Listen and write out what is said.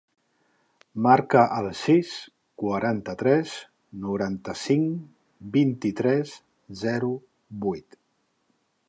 Marca el sis, quaranta-tres, noranta-cinc, vint-i-tres, zero, vuit.